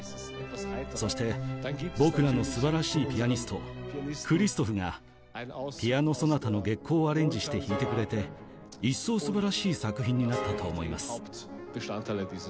そして僕らの素晴らしいピアニストクリストフがピアノソナタの『月光』をアレンジして弾いてくれて一層素晴らしい作品になったと思います。